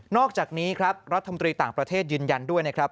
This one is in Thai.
อกจากนี้ครับรัฐมนตรีต่างประเทศยืนยันด้วยนะครับ